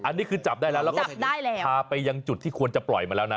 อันนี้คือจับได้แล้วแล้วก็พาไปยังจุดที่ควรจะปล่อยมาแล้วนะ